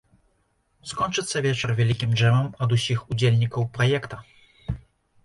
Скончыцца вечар вялікім джэмам ад усіх удзельнікаў праекта.